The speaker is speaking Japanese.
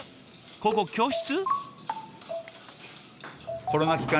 ここ教室？